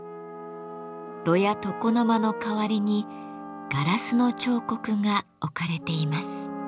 炉や床の間の代わりにガラスの彫刻が置かれています。